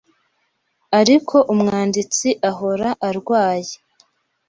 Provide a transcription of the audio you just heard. Ariko umwanditsi ahora arwaye